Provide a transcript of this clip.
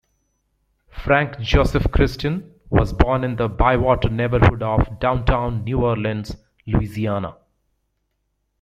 Frank Joseph Christian was born in the Bywater neighborhood of downtown New Orleans, Louisiana.